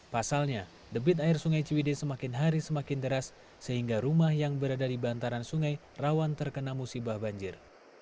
pasalnya debit air sungai ciwide semakin hari semakin deras sehingga rumah yang berada di bantaran sungai rawan terkena musibah banjir